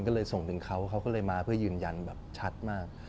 ก็เลยส่งถึงเขาเขาก็เลยมาเพื่อยืนยันแบบชัดมาก